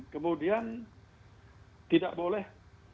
kemudian tidak boleh